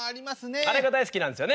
あれが大好きなんですよね。